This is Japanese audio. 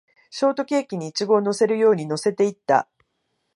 ショートケーキにイチゴを乗せるように乗せていった